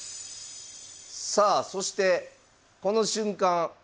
さあそしてこの瞬間